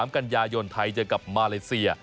กันยายนไทยเจอกับมาเลเซีย